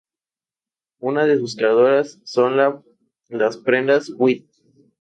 Una de sus creaciones son las prendas wit.